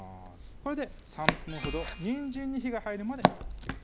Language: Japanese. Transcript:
これで３分ほどにんじんに火が入るまで入れます